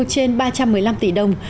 trên ba trăm một mươi năm tỷ đồng